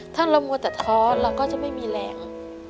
ถ้าเรามัวแต่ท้อเราก็จะไม่มีแรง